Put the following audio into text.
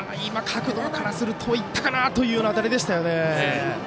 角度からするといったかなという当たりでしたよね。